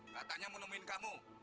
katanya menemuin kamu